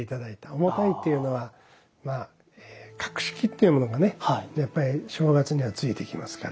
重たいっていうのはまあ格式っていうものがねやっぱり正月にはついてきますから。